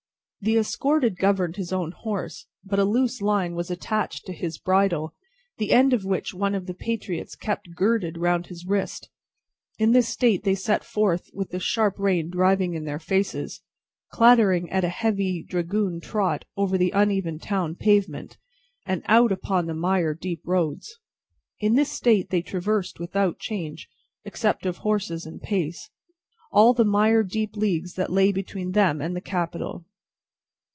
The escorted governed his own horse, but a loose line was attached to his bridle, the end of which one of the patriots kept girded round his wrist. In this state they set forth with the sharp rain driving in their faces: clattering at a heavy dragoon trot over the uneven town pavement, and out upon the mire deep roads. In this state they traversed without change, except of horses and pace, all the mire deep leagues that lay between them and the capital.